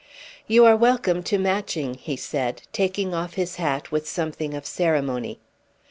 "You are welcome to Matching," he said, taking off his hat with something of ceremony.